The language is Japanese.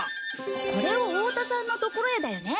これを太田さんのところへだよね。